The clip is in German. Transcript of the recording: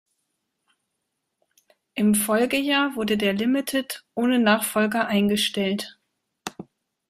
Im Folgejahr wurde der Limited ohne Nachfolger eingestellt.